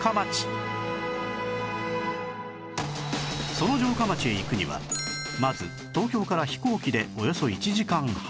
その城下町へ行くにはまず東京から飛行機でおよそ１時間半